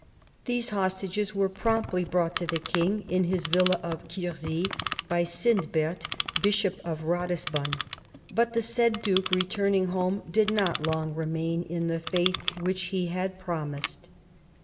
These hostages were promptly brought to the king in his villa of Quierzy by Sindbert, Bishop of Katisbon. But the said duke returning home did not long remain in the faith which he had promised."